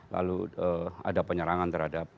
lalu ada penyerangan terhadap